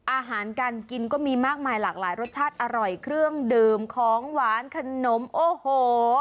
อาหารการกินก็มีมากมายหลากหลายรสชาติอร่อยเครื่องดื่มของหวานขนมโอ้โห